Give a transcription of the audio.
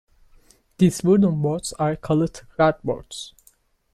These wooden boards are called rat-boards.